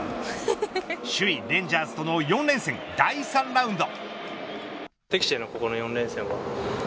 首位レンジャーズとの４連戦第３ラウンド。